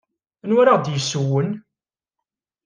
Anwa ara aɣ-d-yessewwen?